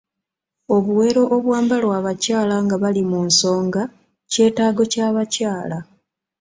Obuwero obwambalwa abakyaala nga bali munsonga kyetaago ky'abakyala.